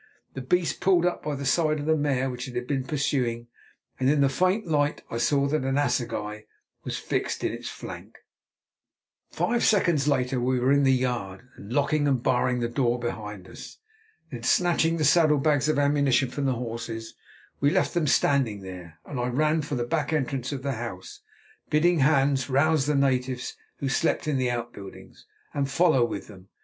The beast pulled up by the side of the mare which it had been pursuing, and in the faint light I saw that an assegai was fixed in its flank. Five seconds later we were in the yard and locking and barring the door behind us. Then, snatching the saddle bags of ammunition from the horses, we left them standing there, and I ran for the back entrance of the house, bidding Hans rouse the natives, who slept in the outbuildings, and follow with them.